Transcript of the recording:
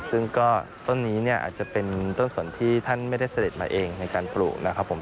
ซึ่งก็ต้นนี้เนี่ยอาจจะเป็นต้นสนที่ท่านไม่ได้เสด็จมาเองในการปลูกนะครับผม